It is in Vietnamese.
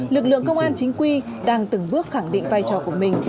lực lượng công an chính quy đang từng bước khẳng định vai trò của mình